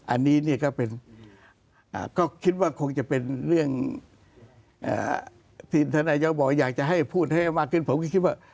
อันนี้ก็คิดว่าคงจะเป็นเรื่องทีนธนายองบ่อยอยากจะให้พูดให้มากกว่าผมก็คิดว่า